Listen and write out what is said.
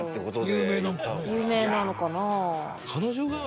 有名なのかなぁ。